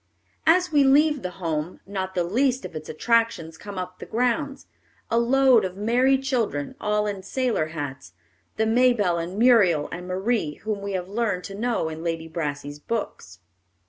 As we leave the home, not the least of its attractions come up the grounds, a load of merry children, all in sailor hats; the Mabelle and Muriel and Marie whom we have learned to know in Lady Brassey's books.